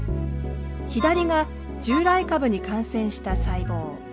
左が従来株に感染した細胞。